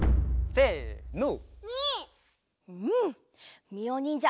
せの。